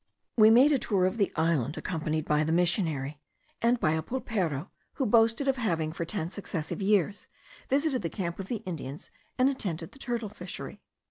We made the tour of the island, accompanied by the missionary and by a pulpero, who boasted of having, for ten successive years, visited the camp of the Indians, and attended the turtle fishery.